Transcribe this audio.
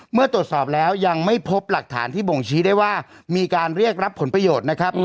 เมื่อตรวจสอบแล้วยังไม่พบหลักฐานที่บ่งชี้ได้ว่ามีการเรียกรับผลประโยชน์นะครับ